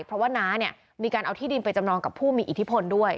เพราะว่าน้าเนี่ยมีการเอาที่ดินไปจำนองกับผู้มีอิทธิพลด้วย